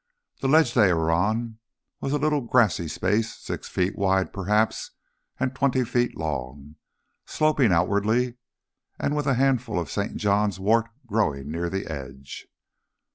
The ledge they were on was a little grassy space, six feet wide, perhaps, and twenty feet long, sloping outwardly, and with a handful of St. John's wort growing near the edge.